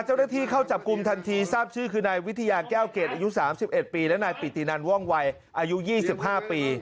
เจ้าหน้าที่เข้าจับกลุ่มทันทีทราบชื่อคือนายวิทยาแก้วเกรดอายุ๓๑ปีและนายปิตินันว่องวัยอายุ๒๕ปี